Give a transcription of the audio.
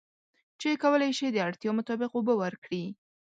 چې کولی شي د اړتیا مطابق اوبه ورکړي.